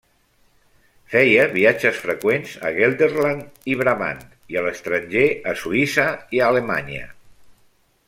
Feia viatges freqüents a Gelderland i Brabant i a l'estranger a Suïssa i a Alemanya.